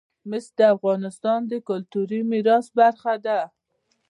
مس د افغانستان د کلتوري میراث برخه ده.